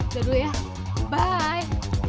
jalan dulu ya bye